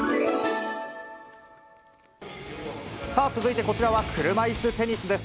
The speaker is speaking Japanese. さあ、続いてこちらは車いすテニスです。